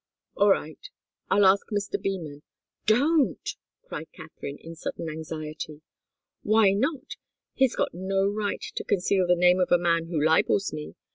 "All right I'll ask Mr. Beman " "Don't!" cried Katharine, in sudden anxiety. "Why not? He's got no right to conceal the name of a man who libels me.